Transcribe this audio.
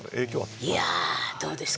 いやどうですかね。